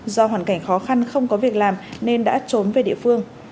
do hoàn cảnh khó khăn không có việc làm nên đã trốn về địa phương